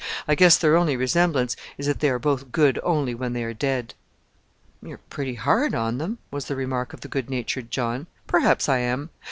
I guess their only resemblance is that they are both good only when they are dead." "You're pretty hard on them," was the remark of the good natured John. "Perhaps I am.